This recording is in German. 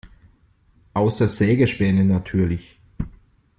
Außer Sägespäne natürlich.